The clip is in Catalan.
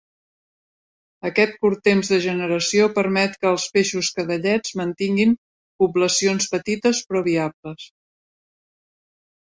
Aquest curt temps de generació permet que els peixos cadellets mantinguin poblacions petites però viables.